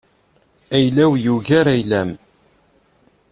Ayla-w yugar ayla-m.